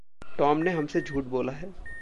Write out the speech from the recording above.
Tom ने हम से झूठ बोला है।